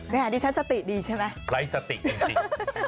แต่อันนี้ฉันสติดีใช่ไหมไร้สติจริง